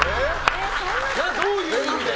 どういう意味で？